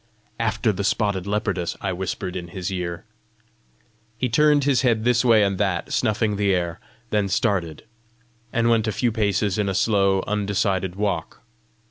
"After the spotted leopardess!" I whispered in his ear. He turned his head this way and that, snuffing the air; then started, and went a few paces in a slow, undecided walk.